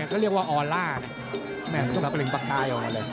ก็เรียกว่าออลล่าแมทก็เป็นปลิงปากตายออกมาเลย